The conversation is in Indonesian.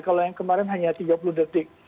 kalau yang kemarin hanya tiga puluh detik